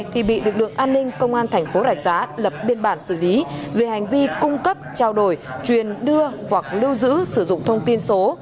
thì bị lực lượng an ninh công an thành phố rạch giá lập biên bản xử lý về hành vi cung cấp trao đổi truyền đưa hoặc lưu giữ sử dụng thông tin số